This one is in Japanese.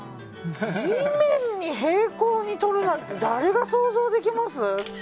地面に平行に撮るなんて誰が想像できます？